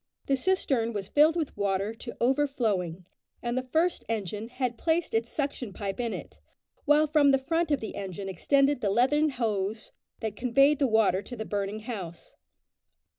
The cistern was filled with water to overflowing, and the first engine had placed its suction pipe in it, while from the front of the engine extended the leathern hose that conveyed the water to the burning house.